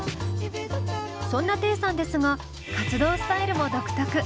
そんなテイさんですが活動スタイルも独特。